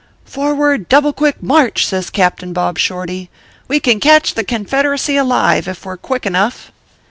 " Forward double quick march !" says Captain Bob Shorty, "we can catch the Confederacy alive if we re quick enough."